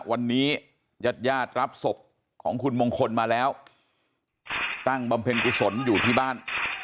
วันนี้ญาติญาติรับศพของคุณมงคลมาแล้วตั้งบำเพ็ญกุศลอยู่ที่บ้าน